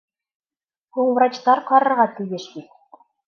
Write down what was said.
Һуң врачтар ҡарарға тейеш бит.